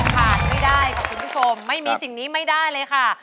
ผ่านไม่ได้ค่ะคุณผู้ชมไม่มีสิ่งนี้ไม่ได้เลยค่ะ